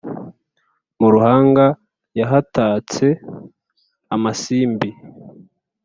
Mu Ruhanga yahatatse amasimbi